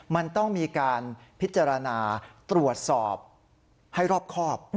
มันต้องมีการพิจารณาตรวจสอบให้รอบครอบ